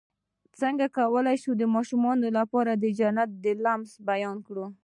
څنګه کولی شم د ماشومانو لپاره د جنت د لمس بیان کړم